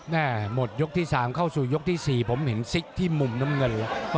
หมดยกที่๓เข้าสู่ยกที่๔ผมเห็นซิกที่มุมน้ำเงินแล้ว